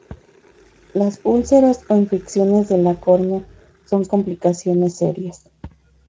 Las úlceras o infecciones de la córnea son complicaciones serias.